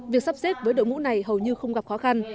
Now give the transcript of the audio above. việc sắp xếp với đội ngũ này hầu như không gặp khó khăn